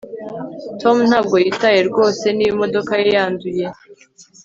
tom ntabwo yitaye rwose niba imodoka ye yanduye